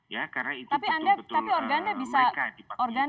ya karena itu betul betul mereka dipakai